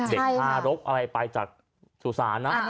เด็กทารกอะไรไปจากสุสานนะ